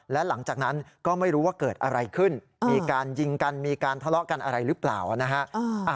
และหลังจากนั้นก็ไม่รู้ว่าเกิดอะไรขึ้นมีการยิงกันมีการทะเลาะกันอะไรหรือเปล่านะฮะ